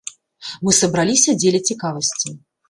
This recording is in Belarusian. Мы сабраліся дзеля цікавасці.